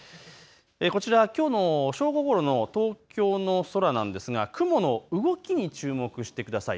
こちらはきょうの正午ごろの東京の空なんですが雲の動きに注目してください。